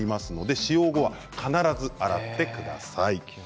使用後は必ず洗ってください。